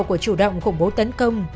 chủ động khủng bố tấn công